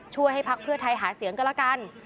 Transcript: ช่วยให้พรรคเพื่อไทยหาเสียงกะละกัน